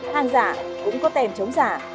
hàng giả cũng có tem chống giả